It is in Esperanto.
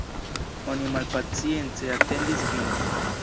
Oni malpacience atendis vin.